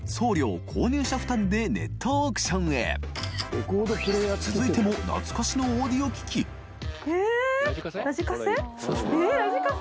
購入者負担でネットオークションへ秣海い討懐かしのオーディオ機器緑川）えっ！